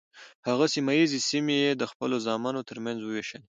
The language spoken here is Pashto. هغه سیمه ییزې سیمې یې د خپلو زامنو تر منځ وویشلې.